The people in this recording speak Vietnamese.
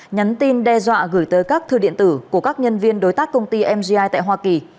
nhắn tin đe dọa gửi tới các thư điện tử của các nhân viên đối tác công ty mgi tại hoa kỳ